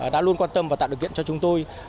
đã luôn quan tâm và tạo điều kiện cho chúng tôi